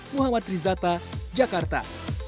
muhammad rizata jakarta